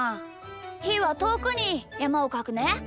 ひーはとおくにやまをかくね。